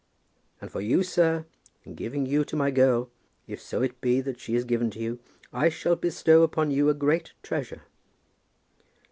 And for you, sir, in giving to you my girl, if so it be that she is given to you, I shall bestow upon you a great treasure."